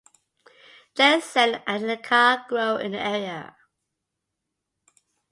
Ginseng and angelica grow in the area.